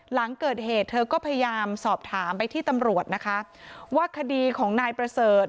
หลังเกิดเหตุเธอก็พยายามสอบถามไปที่ตำรวจนะคะว่าคดีของนายประเสริฐ